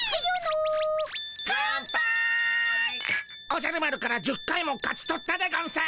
おじゃる丸から１０回も勝ち取ったでゴンス！